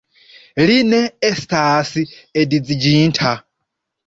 Li ne estas edziĝinta.